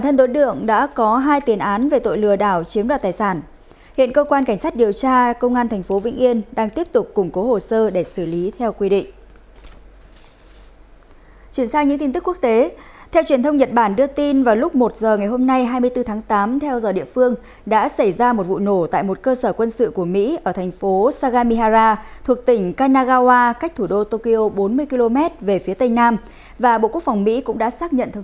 tại cơ quan công an đối tượng khai nhận với thủ đoạn như trên đã thực hiện sáu vụ lừa đảo chiếm đoạt tài sản xe máy các loại khác đem đi cầm cố lấy tiền tiêu xài cá nhân